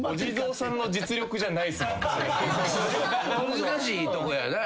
難しいとこやな。